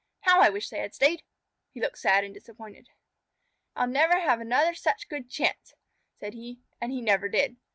How I wish they had stayed!" He looked sad and disappointed. "I'll never have another such good chance," said he. And he never did.